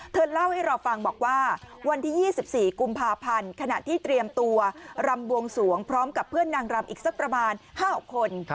เล่าให้เราฟังบอกว่าวันที่๒๔กุมภาพันธ์ขณะที่เตรียมตัวรำบวงสวงพร้อมกับเพื่อนนางรำอีกสักประมาณ๕๖คน